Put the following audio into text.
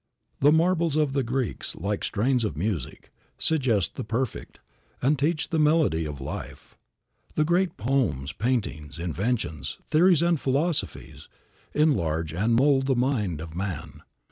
The marbles of the Greeks, like strains of music, suggest the perfect, and teach the melody of life. The great poems, paintings, inventions, theories and philosophies, enlarge and mould the mind of man.